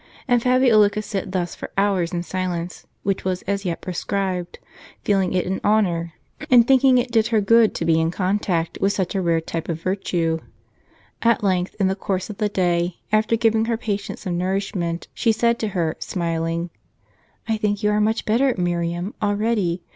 And Fabiola could sit thus for hours in silence, which was as yet prescribed ; feeling it an honor, and thinking it did her good, to be in contact with such a rare type of virtue. At length, in the course of the day, after giving her patient some nourishment, she said to her, smiling: "I think you are much better, Miriam, already.